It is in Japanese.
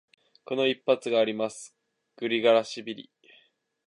この一発があります、グリガラシビリ。